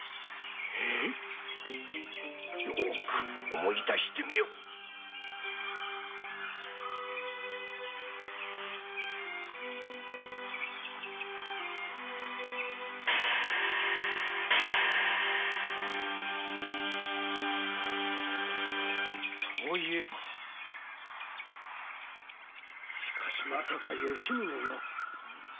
えよく思い出してみよそういえばしかしまさか吉宗が？